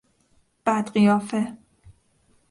بد قیافه